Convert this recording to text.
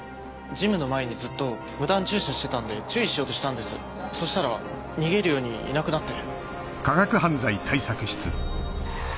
ジムの前にずっと無断駐車してたんで注意しようとしたんですそしたら逃げるようにいなくなって。